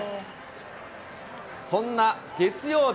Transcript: そんな月曜日。